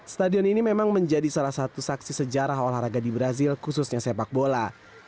stadion ini memang menjadi salah satu saksi sejarah olahraga di brazil khususnya sepak bola